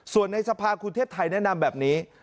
ส่วนในสภาคุณเทพไทยแนะนำแบบนี้